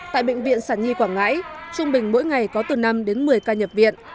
tại bệnh viện sản nhi quảng ngãi trung bình mỗi ngày có từ năm đến một mươi tháng